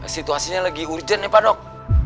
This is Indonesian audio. situasinya lagi urgent ya pak dok